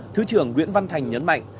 thứ trưởng nguyễn văn thành nhấn mạnh